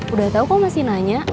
udah tau kok masih nanya